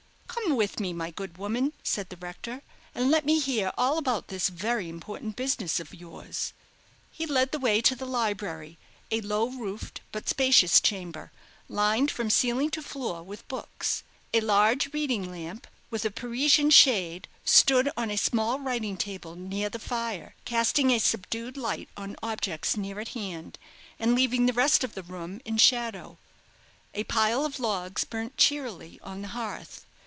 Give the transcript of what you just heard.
"Come with me, my good woman," said the rector, "and let me hear all about this very important business of yours." He led the way to the library a low roofed but spacious chamber, lined from ceiling to floor with books. A large reading lamp, with a Parian shade, stood on a small writing table near the fire, casting a subdued light on objects near at hand, and leaving the rest of the room in shadow. A pile of logs burnt cheerily on the hearth.